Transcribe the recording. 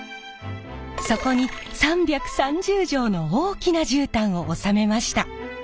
そこに３３０畳の大きな絨毯を納めました。